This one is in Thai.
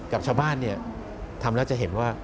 กับชาวบ้านเนี่ยทำแล้วจะเห็นว่า